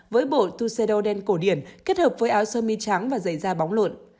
với bộ tuxedo đen cổ điển kết hợp với áo sơ mi trắng và giày da bóng lộn